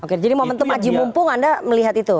oke jadi momentum aji mumpung anda melihat itu